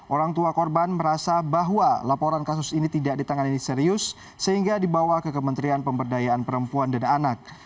orang tua korban merasa bahwa laporan kasus ini tidak ditangani serius sehingga dibawa ke kementerian pemberdayaan perempuan dan anak